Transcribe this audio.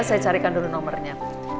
saya carikan dulu nomernya